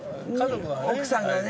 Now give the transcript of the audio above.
奥さんがね。